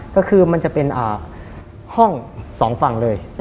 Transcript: ก็คือมันจะเป็นห้องสองฝั่งเลย